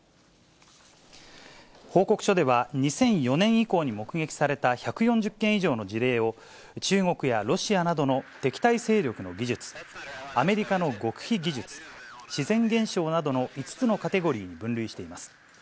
報告書では２００４年以降に目撃された１４０件以上の事例を、中国やロシアなどの敵対勢力の技術、アメリカの極秘技術、自然現象などの５つのカテゴリーに分類しています。